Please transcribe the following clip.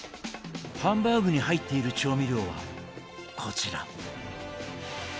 ハンバーグに入っている調味料はこちら。